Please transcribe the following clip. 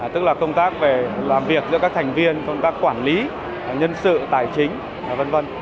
tức là công tác về làm việc giữa các thành viên công tác quản lý nhân sự tài chính v v